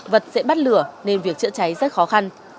vật dễ bắt lửa nên việc chữa cháy rất khó khăn